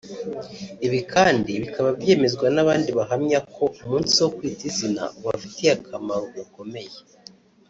Ibi kandi bikaba byemezwa n’abandi bahamya ko umunsi wo kwita izina ubafitiye akamaro gakomeye